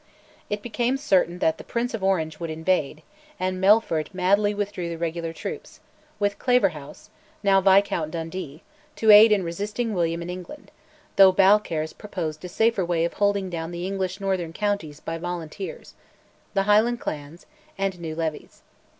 It became certain that the Prince of Orange would invade, and Melfort madly withdrew the regular troops, with Claverhouse (now Viscount Dundee) to aid in resisting William in England, though Balcarres proposed a safer way of holding down the English northern counties by volunteers, the Highland clans, and new levies.